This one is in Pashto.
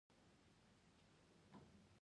په افغانستان کې انګور ډېر زیات اهمیت لري.